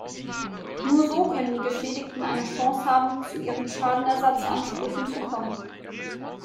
Nur so können die Geschädigten eine Chance haben, zu ihren Schadenersatzansprüchen zu kommen.